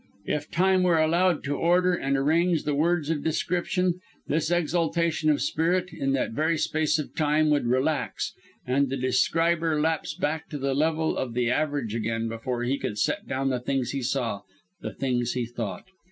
If time were allowed to order and arrange the words of description, this exaltation of spirit, in that very space of time, would relax, and the describer lapse back to the level of the average again before he could set down the things he saw, the things he thought.